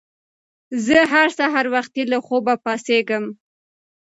زه هر سهار وختي له خوبه پاڅېږم